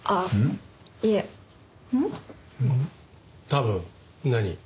多分何？